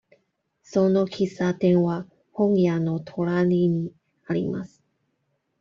その喫茶店は本屋の隣にあります。